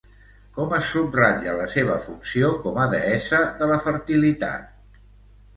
Com es subratlla la seva funció com a deessa de la fertilitat?